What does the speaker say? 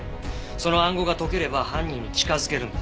その暗号が解ければ犯人に近づけるんだ。